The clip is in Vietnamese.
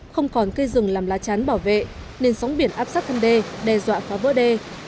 không còn cây rừng làm lá chán bảo vệ nên sóng biển áp sát thân đê đe dọa phá vỡ đê